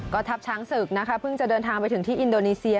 ก็ทัพช้างศึกนะคะเพิ่งจะเดินทางไปถึงที่อินโดนีเซีย